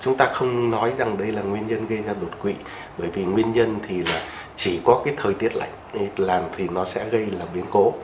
chúng ta không nói rằng đây là nguyên nhân gây ra đột quỵ bởi vì nguyên nhân thì là chỉ có cái thời tiết lạnh làm thì nó sẽ gây là biến cố